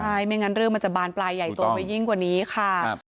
ใช่ไม่งั้นเรื่องมันจะบานปลายใหญ่โตไปยิ่งกว่านี้ค่ะ